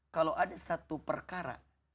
kalau ada satu perkara